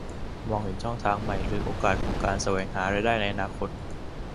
มองเห็นช่องทางใหม่หรือโอกาสของการแสวงหารายได้ในอนาคต